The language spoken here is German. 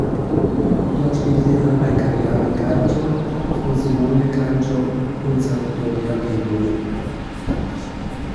Dort spielte er bei Cagliari Calcio, Frosinone Calcio und Sampdoria Genua.